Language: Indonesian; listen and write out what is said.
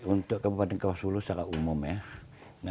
untuk kabupaten kausulu secara umum ya